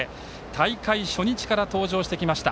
大会初日から登場してきました。